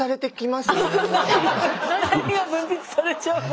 何が分泌されちゃうの？